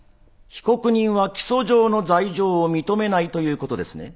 被告人は起訴状の罪状を認めないという事ですね？